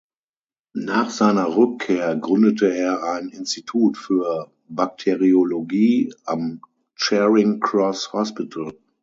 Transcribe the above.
Nach seiner Rückkehr gründete er ein Institut für Bakteriologie am Charing Cross Hospital.